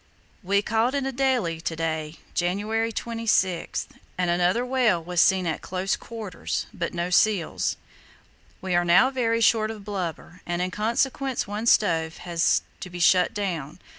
"We caught an adelie to day (January 26) and another whale was seen at close quarters, but no seals. "We are now very short of blubber, and in consequence one stove has to be shut down.